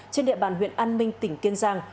trên địa bàn huyện an minh tỉnh kiên giang